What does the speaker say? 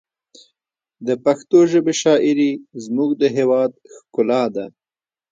د پښتو ژبې شاعري زموږ د هېواد ښکلا ده.